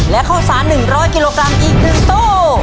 และข้าวสาร๑๐๐กิโลกรัมอีก๑ตู้